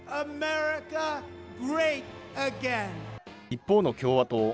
一方の共和党。